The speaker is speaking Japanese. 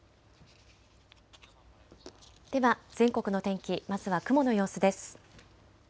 では全国の天気、まずは雲の様子です。